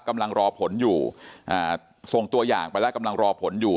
กำลังรอผลอยู่ส่งตัวอย่างไปแล้วกำลังรอผลอยู่